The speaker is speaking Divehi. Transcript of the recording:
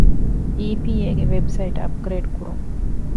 އީ.ޕީ.އޭގެ ވެބްސައިޓް އަޕްގްރޭޑް ކުރުން